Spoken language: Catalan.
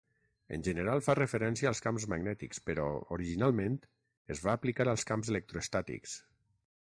En general fa referència als camps magnètics però, originalment, es va aplicar als camps electroestàtics.